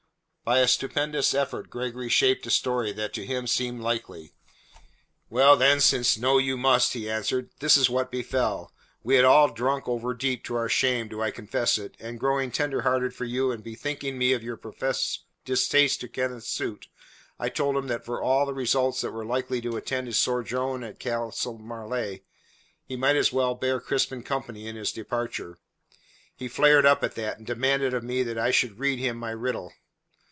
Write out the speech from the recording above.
By a stupendous effort Gregory shaped a story that to him seemed likely. "Well, then, since know you must," he answered, "this is what befell: we had all drunk over deep to our shame do I confess it and growing tenderhearted for you, and bethinking me of your professed distaste to Kenneth's suit, I told him that for all the results that were likely to attend his sojourn at Castle Marleigh, he might as well bear Crispin company in his departure. He flared up at that, and demanded of me that I should read him my riddle.